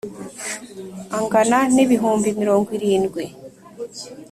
Angana n ibihumbi mirongo irindwi